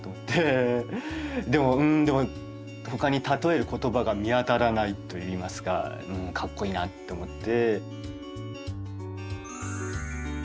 でもほかに例える言葉が見当たらないといいますかかっこイイなって思って。